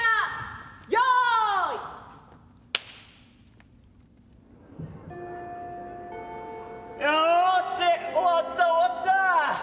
「よし終わった終わったあ」。